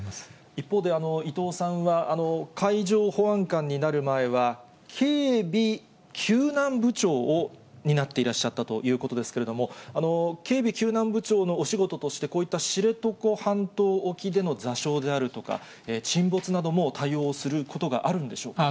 一方で、伊藤さんは、海上保安監になる前は、警備救難部長を担っていらっしゃったということですけれども、警備救難部長のお仕事として、こういった知床半島沖での座礁であるとか、沈没なども対応することがあるんでしょうか。